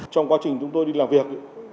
trong quá trình chúng tôi đi làm việc